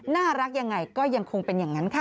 น่ารักยังไงก็ยังคงเป็นอย่างนั้นค่ะ